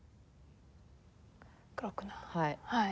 はい。